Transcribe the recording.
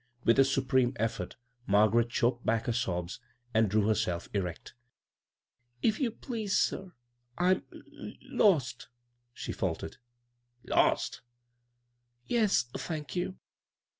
With a supreme effort Margaret choked back her sobs, and drew herself erect b, Google CROSS CURRENTS " If you please, sir, I'm Most," she faltered. "Lost!" "Yes, thank you."